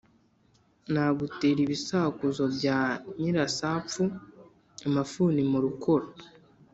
Nagutera ibisakuzo bya Nyirasapfu-Amafuni mu rukoro.